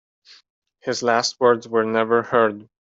His last words were never heard.